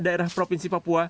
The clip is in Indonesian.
daerah provinsi papua